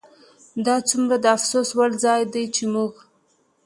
دا څومره د افسوس وړ ځای دی چې موږ